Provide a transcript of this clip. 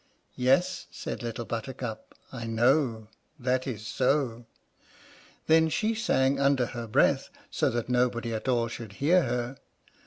Yes (said Little Buttercup) I know That is so. Then she sang, under her breath, so that nobody at all should hear her.